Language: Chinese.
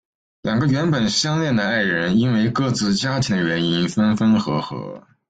两个原本相恋的爱人因为各自家庭的原因分分合合。